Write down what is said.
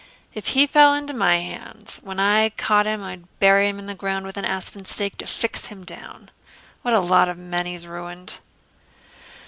"If he fell into my hands, when I'd caught him I'd bury him in the ground with an aspen stake to fix him down. What a lot of men he's ruined!"